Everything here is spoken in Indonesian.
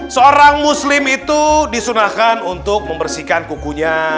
seorang muslim itu disunahkan untuk membersihkan kukunya